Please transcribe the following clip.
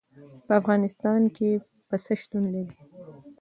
په افغانستان کې پسه شتون لري.